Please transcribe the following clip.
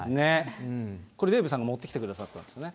これ、デーブさんが持ってきてくださったんですね。